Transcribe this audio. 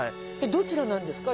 どちらなんですか？